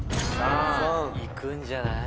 「３」いくんじゃない？